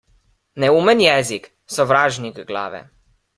Neumen jezik - sovražnik glave.